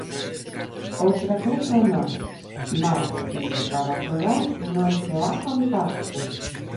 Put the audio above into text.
Outra cousa non, mais quen te faga chorar non che ha faltar.